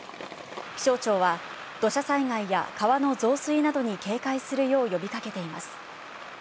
気象庁は土砂災害や川の増水などに警戒するよう呼びかけています。